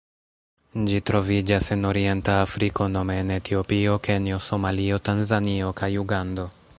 Ĝi troviĝas en Orienta Afriko nome en Etiopio, Kenjo, Somalio, Tanzanio kaj Ugando.